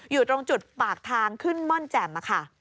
อยู่ตรงจุดปากทางขึ้นม่อนแจ่มค่ะ